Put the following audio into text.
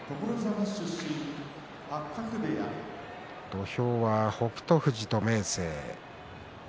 土俵は北勝富士と明生。